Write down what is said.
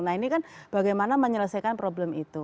nah ini kan bagaimana menyelesaikan problem itu